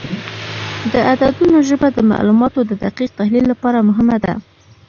د عددونو ژبه د معلوماتو د دقیق تحلیل لپاره مهمه ده.